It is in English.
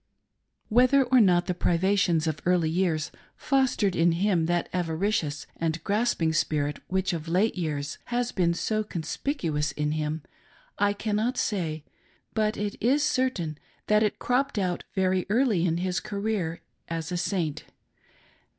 Whether or not the privations of early years fostered in him that avaricious and grasping spirit which of late years has been so conspicuous in him, I cannot say, but it is certain that it cropped out very early in his career as a Saint.